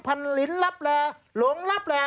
พันธุ์ลิ้นลับแลหลงลับแล